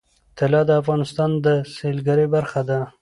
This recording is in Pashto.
طلا د افغانستان د سیلګرۍ برخه ده.